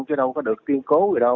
chứ đâu có được tiên cố gì đâu